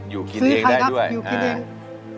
อยู่คิดเองได้ด้วย